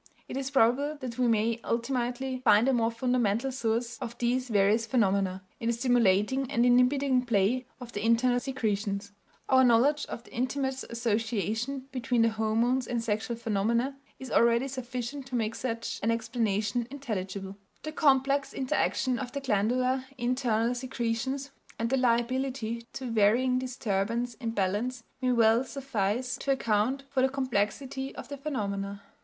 It is probable that we may ultimately find a more fundamental source of these various phenomena in the stimulating and inhibiting play of the internal secretions. Our knowledge of the intimate association between the hormones and sexual phenomena is already sufficient to make such an explanation intelligible; the complex interaction of the glandular internal secretions and their liability to varying disturbance in balance may well suffice to account for the complexity of the phenomena.